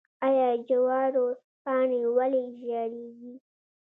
آیا د جوارو پاڼې ولې ژیړیږي؟